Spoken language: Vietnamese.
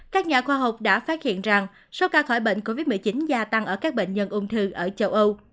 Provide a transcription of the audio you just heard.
các nhà khoa học đã phát hiện rằng số ca khỏi bệnh covid một mươi chín gia tăng ở các bệnh nhân ung thư ở châu âu